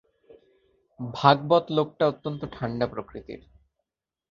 ভাগবত লোকটা অত্যন্ত ঠাণ্ডা প্রকৃতির।